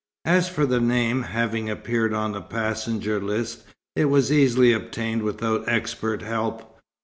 As for the name, having appeared on the passenger list, it was easily obtained without expert help.